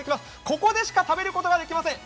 ここでしか食べることができません。